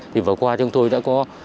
thì vừa qua chúng tôi đã có